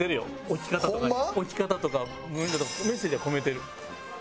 置き方とかメッセージは込めてる。